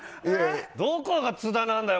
どこが津田なんだよ